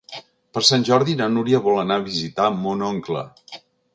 Per Sant Jordi na Núria vol anar a visitar mon oncle.